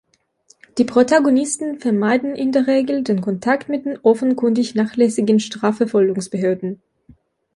Die Protagonisten vermeiden in der Regel den Kontakt mit den offenkundig nachlässigen Strafverfolgungsbehörden.